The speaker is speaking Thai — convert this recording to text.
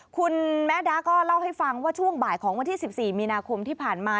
คุณแม่ดาก็เล่าให้ฟังว่าช่วงบ่ายของวันที่๑๔มีนาคมที่ผ่านมา